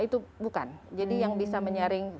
itu bukan jadi yang bisa menyaring